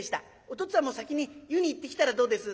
お父っつぁんも先に湯に行ってきたらどうです？」。